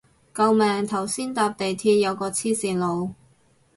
救命頭先搭地鐵有個黐線佬